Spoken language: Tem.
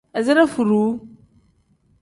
Izire furuu.